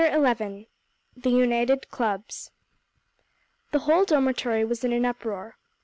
XI THE UNITED CLUBS The whole dormitory was in an uproar.